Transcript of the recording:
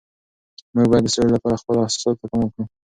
موږ باید د سولي لپاره خپلو احساساتو ته پام وکړو.